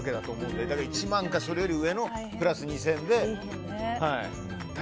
だから１万か、それより上のプラス２０００で。